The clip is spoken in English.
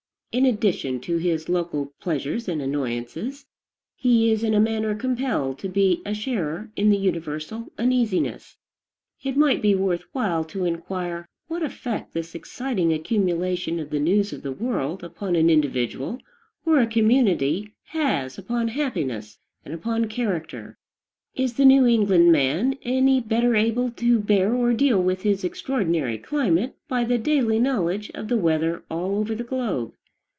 In addition to his local pleasures and annoyances, he is in a manner compelled to be a sharer in the universal uneasiness. It might be worth while to inquire what effect this exciting accumulation of the news of the world upon an individual or a community has upon happiness and upon character. Is the New England man any better able to bear or deal with his extraordinary climate by the daily knowledge of the weather all over the globe?